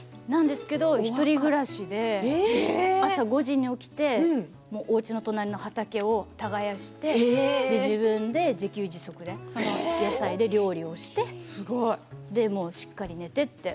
でも１人暮らしで朝５時に起きておうちの隣の畑を耕して自分で自給自足で野菜で料理をしてしっかり寝てって。